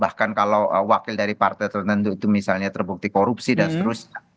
bahkan kalau wakil dari partai tertentu itu misalnya terbukti korupsi dan seterusnya